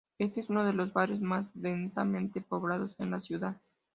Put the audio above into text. Este es uno de los barrios más densamente poblados en la ciudad.